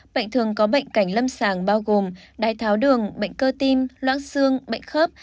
bệnh thường có bệnh cảnh lâm sàng bao gồm đái tháo đường bệnh cơ tim loãng xương bệnh khớp